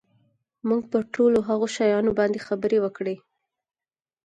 موږ پر ټولو هغو شیانو باندي خبري وکړې.